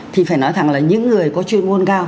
thì phải nói thẳng là những người có chuyên môn cao